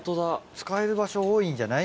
使える場所多いんじゃない？